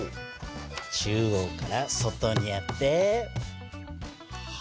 中央から外にやって。